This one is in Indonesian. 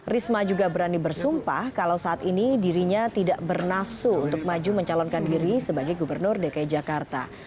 risma juga berani bersumpah kalau saat ini dirinya tidak bernafsu untuk maju mencalonkan diri sebagai gubernur dki jakarta